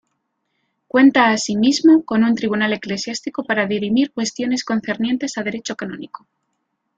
Cuenta asimismo con un Tribunal Eclesiástico para dirimir cuestiones concernientes a derecho canónico.